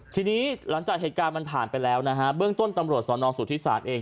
ทีนี้หลังจากเหตุการณ์มันผ่านไปแล้วนะฮะเบื้องต้นตำรวจสอนอสุทธิศาลเอง